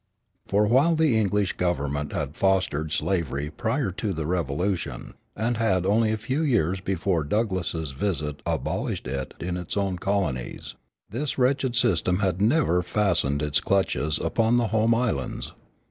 For while the English government had fostered slavery prior to the Revolution, and had only a few years before Douglass's visit abolished it in its own colonies, this wretched system had never fastened its clutches upon the home islands.